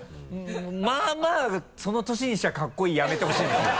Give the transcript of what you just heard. まあまあその年にしてはかっこいいやめてほしいんですよ。